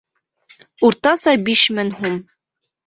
Уртаса биш мең һум.